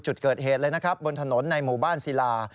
จุดเกิดเหตุเลยนะครับบนถนนในหมู่บ้านศิลา